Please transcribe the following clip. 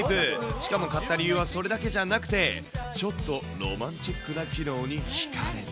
しかも買った理由はそれだけじゃなくて、ちょっとロマンチックな機能に引かれて。